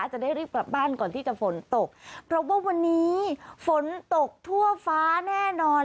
จะได้รีบกลับบ้านก่อนที่จะฝนตกเพราะว่าวันนี้ฝนตกทั่วฟ้าแน่นอน